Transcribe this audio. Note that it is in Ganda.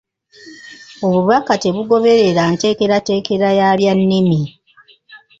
Obubaka tebugoberera nteekerateekera y’abyannimi.